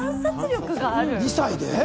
２歳で？